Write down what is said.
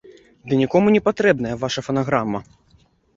Ды нікому не патрэбная ваша фанаграма!